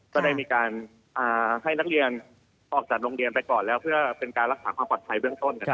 ก็ได้มีการให้นักเรียนออกจากโรงเรียนไปก่อนแล้วเพื่อเป็นการรักษาความปลอดภัยเบื้องต้น